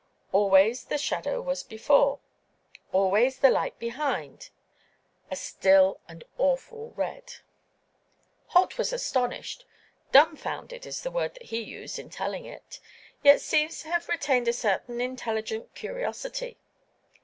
Always the shadow was before—always the light behind, "a still and awful red." Holt was astonished—"dumfounded" is the word that he used in telling it—yet seems to have retained a certain intelligent curiosity.